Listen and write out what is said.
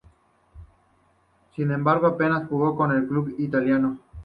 Sin embargo apenas jugó con el club italiano.